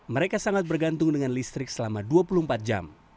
mereka sangat bergantung dengan listrik selama dua puluh empat jam